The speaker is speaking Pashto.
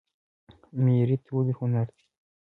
میریت ولې هنر دی؟